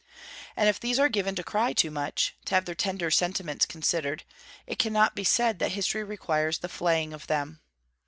And if these are given to cry too much, to have their tender sentiments considered, it cannot be said that History requires the flaying of them.